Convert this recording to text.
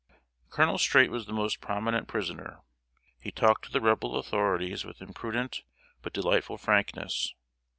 Colonel Streight was the most prominent prisoner. He talked to the Rebel authorities with imprudent, but delightful frankness.